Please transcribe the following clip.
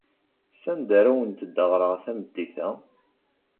Sanda ara awent-d-ɣreɣ tameddit-a?